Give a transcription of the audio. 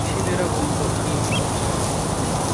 তৃষিতেরা বলত, কী মিষ্টি জল।